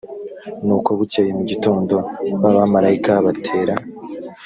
nuko bukeye mu gitondo ba bamarayika batera